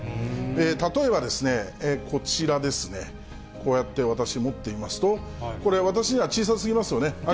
例えばですね、こちらですね、こうやって私、持ってみますと、これ、私には小さすぎますよね。